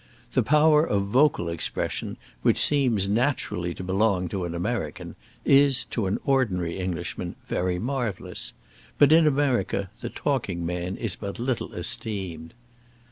The power of vocal expression which seems naturally to belong to an American is to an ordinary Englishman very marvellous; but in America the talking man is but little esteemed.